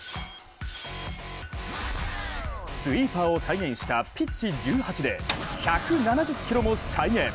スイーパーを再現したＰｉｔｃｈ１８で１７０キロも再現。